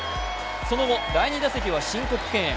その後、第２打席は申告敬遠。